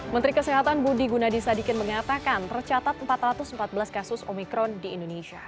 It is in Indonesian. menteri kesehatan budi gunadisadikin mengatakan tercatat empat ratus empat belas kasus omikron di indonesia